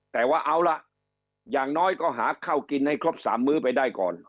แต่ว่าเอาล่ะอย่างน้อยก็หาข้าวกินให้ครบ๓มื้อไปได้ก่อน